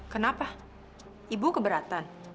kenapa ibu keberatan